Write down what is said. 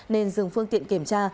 nên dừng phương tiện kiểm tra